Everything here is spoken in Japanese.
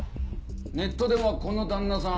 ネットではこの旦那さん